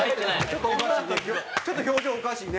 ちょっと表情おかしいね。